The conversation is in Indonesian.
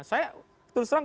saya terus terang